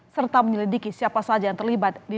serta menyelidiki siapa saja yang diperlukan untuk menangis